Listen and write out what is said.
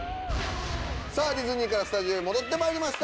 さぁディズニーからスタジオへ戻ってまいりました！